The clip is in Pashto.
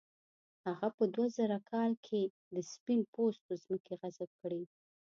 هغه په دوه زره کال کې د سپین پوستو ځمکې غصب کړې.